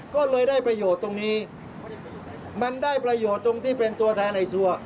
ก็เลยได้ประโยชน์ตรงนี้มันได้ประโยชน์ตรงที่เป็นตัวแทนไอ้ซัว